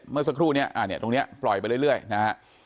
เมื่อสักครู่เนี้ยอ่าเนี้ยตรงเนี้ยปล่อยไปเรื่อยเรื่อยนะฮะ